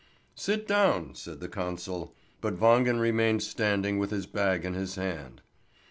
"Sit down!" said the consul, but Wangen remained standing with his bag in his hand.